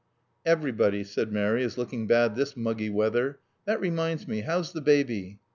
"Everybody," said Mary, "is looking bad this muggy weather. That reminds me, how's the baby?"